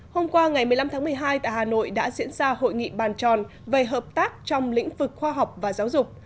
hôm qua ngày một mươi năm tháng một mươi hai tại hà nội đã diễn ra hội nghị bàn tròn về hợp tác trong lĩnh vực khoa học và giáo dục